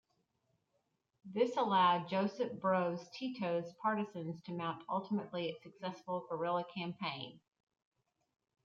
This allowed Josip Broz Tito's Partisans to mount ultimately successful guerrilla campaign.